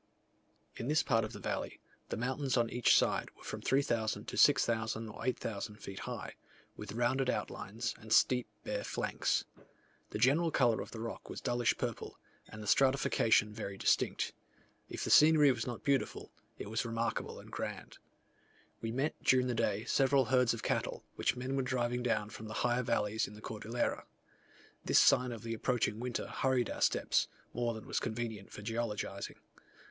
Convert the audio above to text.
In this part of the valley, the mountains on each side were from 3000 to 6000 or 8000 feet high, with rounded outlines and steep bare flanks. The general colour of the rock was dullish purple, and the stratification very distinct. If the scenery was not beautiful, it was remarkable and grand. We met during the day several herds of cattle, which men were driving down from the higher valleys in the Cordillera. This sign of the approaching winter hurried our steps, more than was convenient for geologizing.